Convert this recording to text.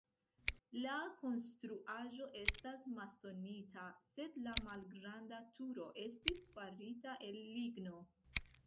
La konstruaĵo estas masonita, sed la malgranda turo estis farita el ligno.